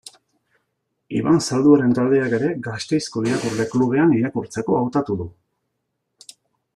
Iban Zalduaren taldeak ere, Gasteizko Irakurle Klubean, irakurtzeko hautatu du.